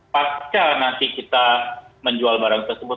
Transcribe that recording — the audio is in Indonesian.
pasca nanti kita menjual barang tersebut